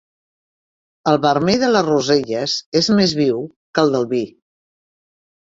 El vermell de les roselles és més viu que el del vi.